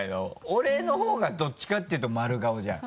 俺の方がどっちかっていうと丸顔じゃん。